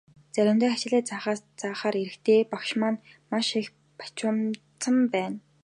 Заримдаа хичээлээ заахаар ирэхдээ багш маань маш их бухимдчихсан байна.